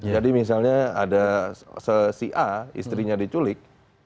jadi misalnya ada si a istrinya diculik